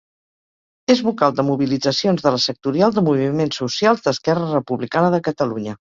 És vocal de mobilitzacions de la sectorial de moviments socials d'Esquerra Republicana de Catalunya.